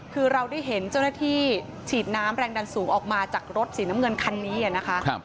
คือเราได้เห็นเจ้าหน้าที่ฉีดน้ำแรงดันสูงออกมาจากรถสีน้ำเงินคันนี้นะคะ